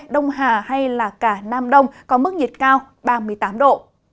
đông hà hay là cả nam đông có mức nhiệt cao ba mươi tám độ